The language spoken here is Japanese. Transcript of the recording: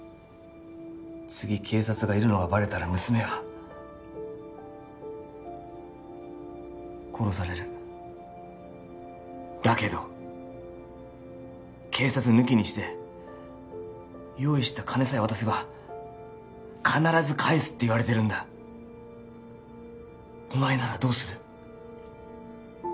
次警察がいるのがバレたら娘は殺されるだけど警察抜きにして用意した金さえ渡せば必ず返すって言われてるんだお前ならどうする？